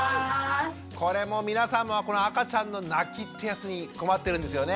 皆さんも赤ちゃんの泣きってやつに困ってるんですよね？